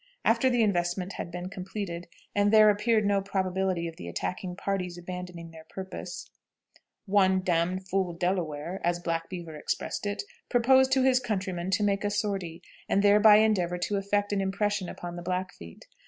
After the investment had been completed, and there appeared no probability of the attacking party's abandoning their purpose, "One d d fool Delaware" (as Black Beaver expressed it) proposed to his countrymen to make a sortie, and thereby endeavor to effect an impression upon the Blackfeet.